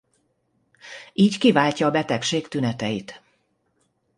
Így kiváltja a betegség tüneteit.